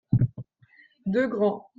Deux grands.